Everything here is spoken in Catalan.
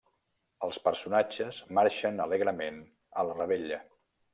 Els personatges marxen alegrement a la revetlla.